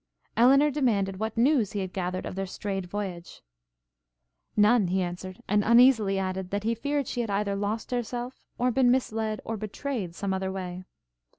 Elinor demanded what news he had gathered of their strayed voyager? None, he answered; and uneasily added, that he feared she had either lost herself, or been misled, or betrayed, some other way.